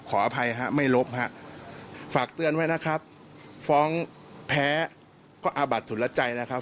ขออภัยฮะไม่ลบฮะฝากเตือนไว้นะครับฟ้องแพ้ก็อาบัดสุรใจนะครับ